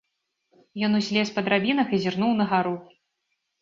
Ён узлез па драбінах і зірнуў на гару.